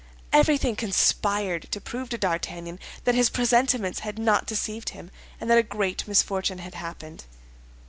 Everything conspired to prove to D'Artagnan that his presentiments had not deceived him, and that a great misfortune had happened.